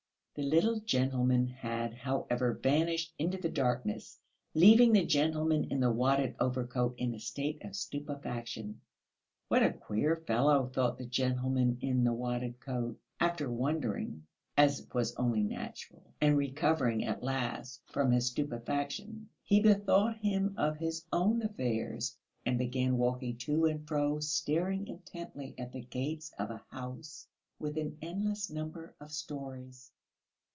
The little gentleman had, however, vanished into the darkness, leaving the gentleman in the wadded overcoat in a state of stupefaction. "What a queer fellow!" thought the gentleman in the wadded overcoat. After wondering, as was only natural, and recovering at last from his stupefaction, he bethought him of his own affairs, and began walking to and fro, staring intently at the gates of a house with an endless number of storeys.